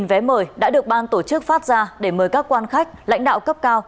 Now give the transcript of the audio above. vé mời đã được ban tổ chức phát ra để mời các quan khách lãnh đạo cấp cao